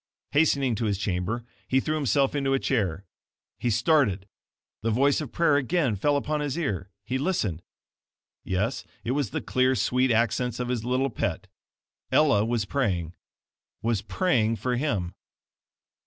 Hastening to his chamber he threw himself into a chair. He started! The voice of prayer again fell upon his ear. He listened. Yes, it was the clear, sweet accents of his little pet. Ella was praying WAS PRAYING FOR HIM!